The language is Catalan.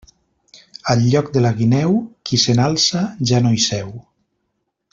Al lloc de la guineu, qui se n'alça ja no hi seu.